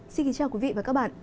xin kính chào quý vị và các bạn